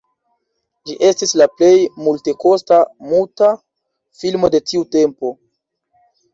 Ĝi estis la plej multekosta muta filmo de tiu tempo.